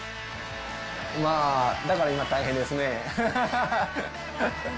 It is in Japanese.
まあ、だから今大変ですね。